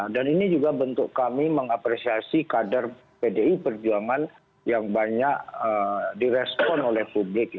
dan ini juga bentuk kami mengapresiasi kader pdi perjuangan yang banyak direspon oleh publik